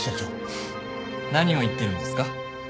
フッ何を言ってるんですか？